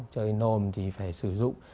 trời nồm thì phải sử dụng